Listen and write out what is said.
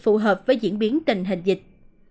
phù hợp với diễn biến tình hình dịch